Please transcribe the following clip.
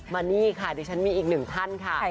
มานี่ค่ะดิฉันมีอีกหนึ่งท่านค่ะ